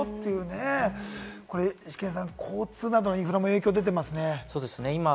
イシケンさん、交通などのインフラも影響が出てますね。